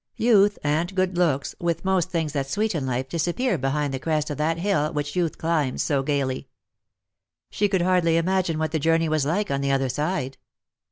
Youth and good looks, with most things that sweeten life, disappear behind the crest of that hill which youth climbs so gaily. She could hardly imagine what the journey was like on the other side.